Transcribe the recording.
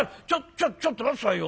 ちょっちょっと待って下さいよ。